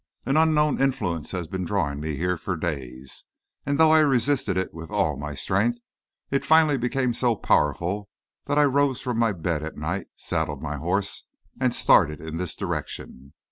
An unknown influence has been drawing me here for days, and though I resisted it with all my strength, it finally became so powerful that I rose from my bed at night, saddled my horse, and started in this direction.